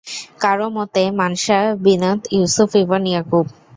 কারও মতে, মানশা বিনত ইউসুফ ইবন ইয়াকূব।